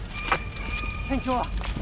戦況は？